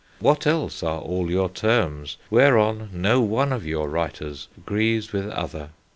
What else are all your terms, Whereon no one of your writers 'grees with other?